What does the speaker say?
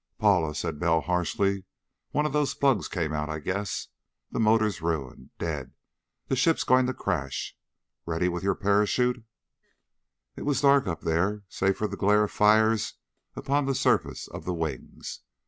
"Paula," said Bell harshly, "one of those plugs came out, I guess. The motor's ruined. Dead. The ship's going to crash. Ready with your parachute?" It was dark, up there, save for the glare of fires upon the under surface of the wings.